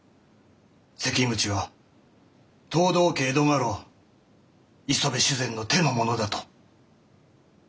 「関口は藤堂家江戸家老磯部主膳の手の者だ」と。